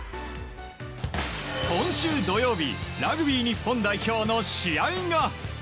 今週土曜日ラグビー日本代表の試合が。